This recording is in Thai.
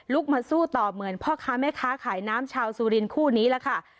มาสู้ต่อเหมือนพ่อค้าแม่ค้าขายน้ำชาวสุรินคู่นี้ล่ะค่ะ